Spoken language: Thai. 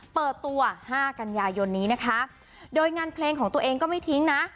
เปิดตัวห้ากันยายนนี้นะคะโดยงานเพลงของตัวเองก็ไม่ทิ้งนะ